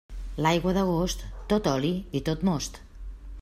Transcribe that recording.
L'aigua d'agost, tot oli i tot most.